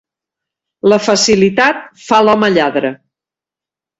La facilitat fa l'home lladre.